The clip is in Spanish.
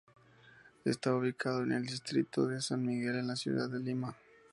Está ubicado en el Distrito de San Miguel en la ciudad de Lima.